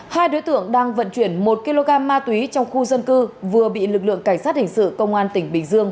hai đối tượng đang vận chuyển một kg ma túy trong khu dân cư vừa bị lực lượng cảnh sát hình sự công an tỉnh bình dương